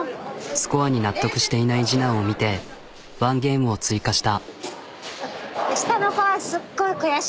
スコアに納得していない次男を見てワンゲームを追加した。